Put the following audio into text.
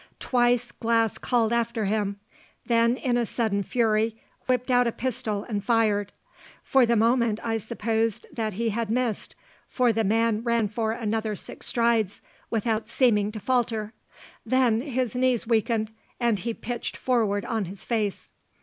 Twice Glass called after him; then, in a sudden fury, whipped out a pistol and fired. For the moment I supposed that he had missed, for the man ran for another six strides without seeming to falter, then his knees weakened, and he pitched forward on his face.